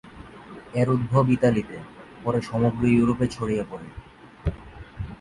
এর উদ্ভব ইতালিতে, পরে সমগ্র ইউরোপে ছড়িয়ে পড়ে।